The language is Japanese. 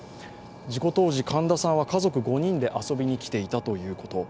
事故当時、カンダさんは家族５人で遊びにきていたということ。